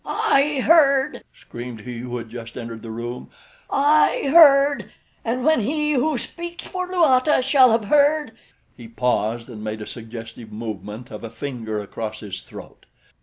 "I heard," screamed he who had just entered the room. "I heard, and when He Who Speaks for young, reproduction and kindred subjects shall have heard " He paused and made a suggestive movement of a finger across his throat.